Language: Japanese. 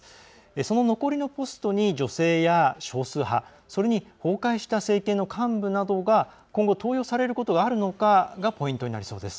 その残りのポストに女性や少数派それに崩壊した政権の幹部などが、今後登用されることがあるのかがポイントになりそうです。